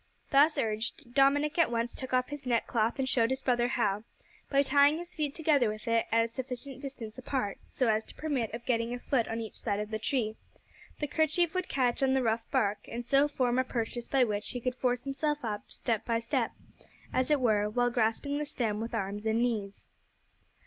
Thus urged, Dominick at once took off his neckcloth and showed his brother how, by tying his feet together with it at a sufficient distance apart, so as to permit of getting a foot on each side of the tree, the kerchief would catch on the rough bark, and so form a purchase by which he could force himself up step by step, as it were, while grasping the stem with arms and knees.